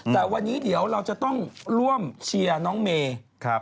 แต่วันนี้เดี๋ยวเราจะต้องร่วมเชียร์น้องเมย์